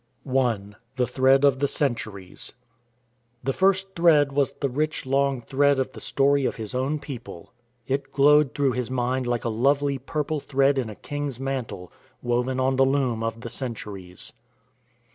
I. THE THREAD OF THE CENTURIES The first thread was the rich long thread of the story of his own people. It glowed through his mind like a lovely purple thread in a king's mantle, woven on the loom of the centuries.